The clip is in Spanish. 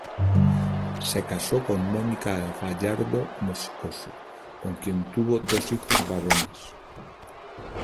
Se casó con Mónica Gallardo Moscoso con quien tuvo dos hijos varones.